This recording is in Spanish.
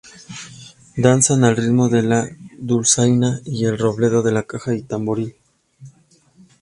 Danzan al ritmo de la dulzaina y el redoble de la caja o tamboril.